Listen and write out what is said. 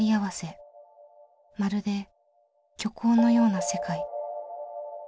まるで虚構のような世界。